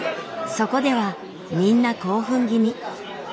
そこではみんな興奮気味。